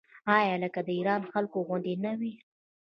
آیا لکه د ایران خلکو غوندې نه وي؟